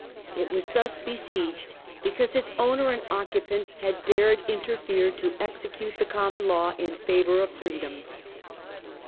It was thufa besieged because its owner and occupant had dared interfere to execute the common law in favor of free dom.